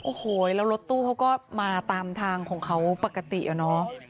โอ้โหแล้วรถตู้เขาก็มาตามทางของเขาปกติอะเนาะ